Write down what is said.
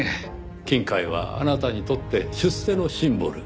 金塊はあなたにとって出世のシンボル。